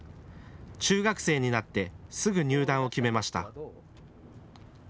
中学生になってすぐ入団を決めました。